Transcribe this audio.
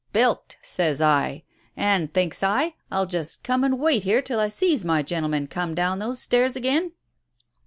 "' Bilked,' says I. And, thinks I, I'll just come and wait here till I sees my gentleman come down those stairs again."